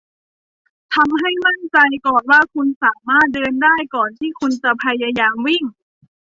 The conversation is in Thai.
ทำให้มั่นใจก่อนว่าคุณสามารถเดินได้ก่อนที่คุณจะพยายามวิ่ง